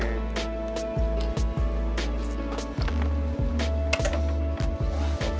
nanti berkabar lagi ya